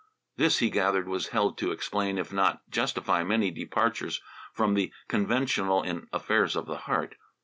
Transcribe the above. This, he gathered, was held to explain, if not to justify, many departures from the conventional in affairs of the heart.